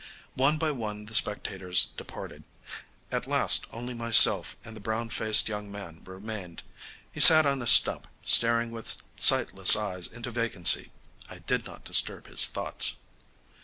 One by one the spectators departed. At last only myself and the brown faced young man remained. He sat on a stump, staring with sightless eyes into vacancy. I did not disturb his thoughts.